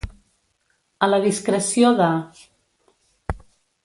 A la discreció de.